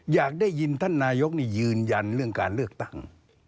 อยากได้ยินท่านนายกนี่ยืนยันเรื่องการเลือกตั้ง